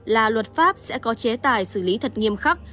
là luật pháp sẽ có chế tài xử lý thật nghiêm khắc